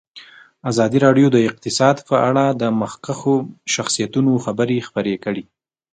ازادي راډیو د اقتصاد په اړه د مخکښو شخصیتونو خبرې خپرې کړي.